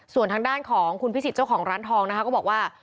ส่วนทางด้านของคุณพิสิทธิ์เจ้าของร้านทองนะคะก็บอกว่า